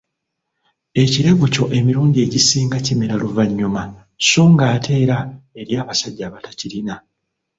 Ekirevu kyo emilundi egisinga kimera luvanyuma so ng'ate era eriyo abasajja abatakirina